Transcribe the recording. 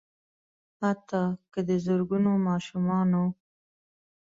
حتا که د زرګونو ماشومانو